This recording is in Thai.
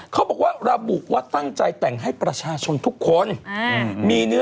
เขาบอกว่าราบุกว่าตั้งใจแต่งให้ประชาชนทุกคน